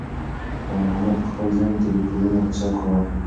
خیر محمد په خپل ذهن کې د پورونو حساب کاوه.